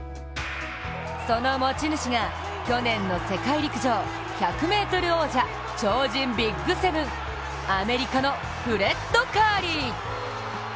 その持ち主が、去年の世界陸上１００ｍ王者、超人ＢＩＧ７、アメリカのフレッド・カーリー。